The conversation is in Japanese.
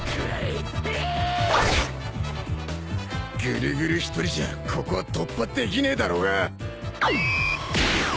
ぐるぐる一人じゃここは突破できねえだろうが！